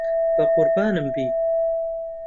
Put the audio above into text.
بەقوربانم بی.